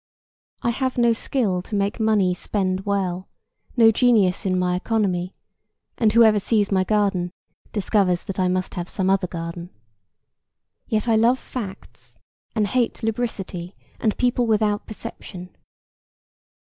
I have no skill to make money spend well, no genius in my economy, and whoever sees my garden discovers that I must have some other garden. Yet I love facts, and hate lubricity and people without perception.